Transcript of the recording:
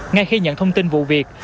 ngay khi nhận thông tin vụ việc